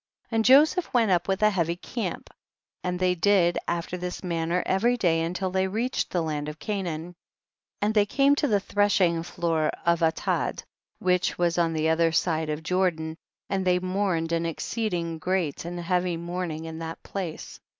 42. And Joseph went up with a heavy camp, and they did after this manner every day until they reached the land of Canaan, and tliey came to the threshing floor of Atad, which was on the other side of Jordan, and they mourned an exceeding great and heavy mourning in that place.